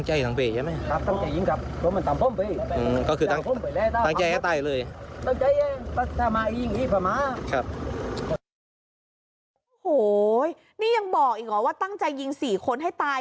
โอ้โหนี่ยังบอกอีกเหรอว่าตั้งใจยิง๔คนให้ตาย